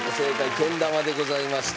けん玉でございました。